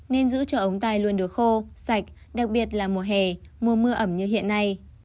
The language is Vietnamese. nên giữ cho ống tai luôn được khô sạch đặc biệt là mùa hè mùa mưa ẩm như hiện nay